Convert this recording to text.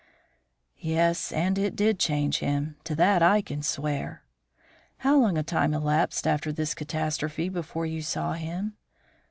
"Yes, and it did change him; to that I can swear." "How long a time elapsed after this catastrophe before you saw him?"